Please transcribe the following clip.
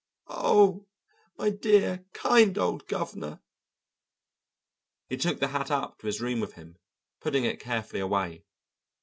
Oh, my dear, kind old governor!" He took the hat up to his room with him, putting it carefully away.